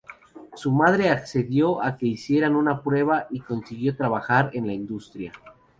Su madre accedió a que hiciera una prueba, y consiguió trabajar en la industria.